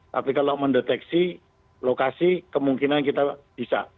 tapi kalau mendeteksi lokasi kemungkinan kita bisa